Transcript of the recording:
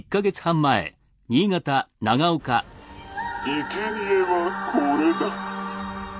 「いけにえはこれだ」。